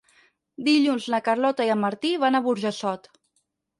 Dilluns na Carlota i en Martí van a Burjassot.